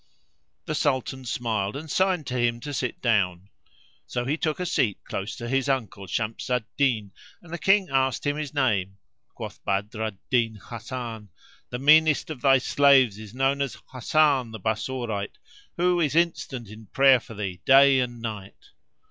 The Sultan smiled and signed to him to sit down. So he took a seat close to his uncle, Shams al Din, and the King asked him his name. Quoth Badr al Din Hasan, "The meanest of thy slaves is known as Hasan the Bassorite, who is instant in prayer for thee day and night."